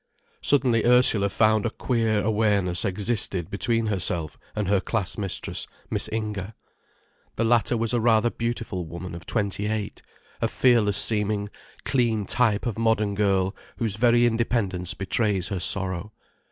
Suddenly Ursula found a queer awareness existed between herself and her class mistress, Miss Inger. The latter was a rather beautiful woman of twenty eight, a fearless seeming, clean type of modern girl whose very independence betrays her sorrow.